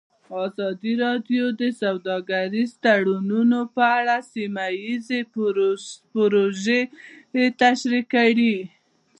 ازادي راډیو د سوداګریز تړونونه په اړه سیمه ییزې پروژې تشریح کړې.